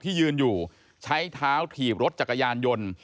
ที่ยืนอยู่ใช้เท้าถีบรถจักรยานยนต์